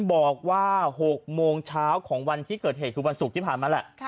บอกว่า๖โมงเช้าของวันที่เกิดเหตุคือวันศุกร์ที่ผ่านมาแหละ